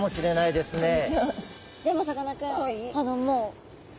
でもさかなクン